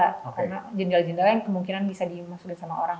karena jendela jendela yang kemungkinan bisa dimasukin sama orang